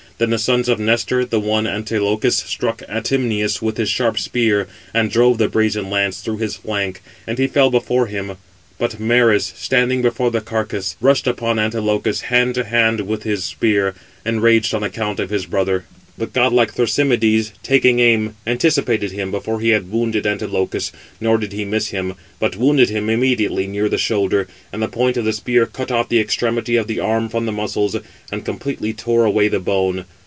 Then the sons of Nestor, the one, Antilochus, struck Atymnius with his sharp spear, and drove the brazen lance through his flank; and he fell before him: but Maris, standing before the carcase, rushed upon Antilochus hand to hand with his spear, enraged on account of his brother; but godlike Thrasymedes, taking aim, anticipated him before he had wounded [Antilochus], nor did he miss him, [but wounded him] immediately near the shoulder; and the point of the spear cut off the extremity of the arm from the muscles, and completely tore away the bone.